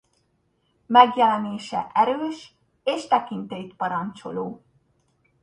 Megjelenése erős és tekintélyt parancsoló.